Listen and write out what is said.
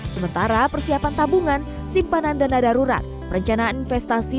sementara persiapan tabungan simpanan dana darurat perencanaan investasi